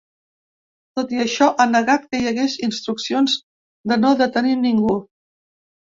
Tot i això, ha negat que hi hagués instruccions de no detenir ningú.